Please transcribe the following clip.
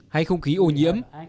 hay không khí ô nhiễm